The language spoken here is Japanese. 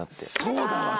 そうだわ。